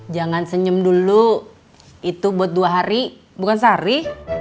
jangan senyum dulu itu buat dua hari bukan sehari